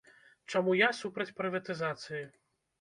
Чаму я супраць прыватызацыі?